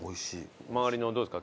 周りのどうですか？